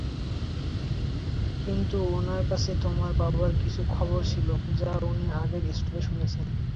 কিন্তু ওনার কাছে তোমার বাবার কিছু খবর ছিল যা উনি আগের স্টপে শুনেছেন।